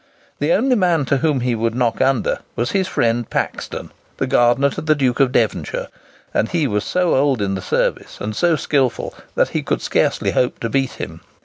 The only man to whom he would "knock under" was his friend Paxton, the gardener to the Duke of Devonshire; and he was so old in the service, and so skilful, that he could scarcely hope to beat him.